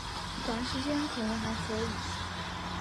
短时间可能还可以